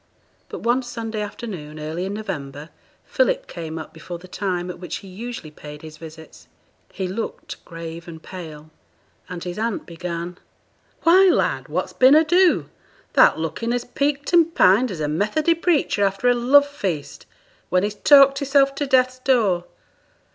But one Sunday afternoon early in November, Philip came up before the time at which he usually paid his visits. He looked grave and pale; and his aunt began, 'Why, lad! what's been ado? Thou'rt looking as peaked and pined as a Methody preacher after a love feast, when he's talked hisself to Death's door.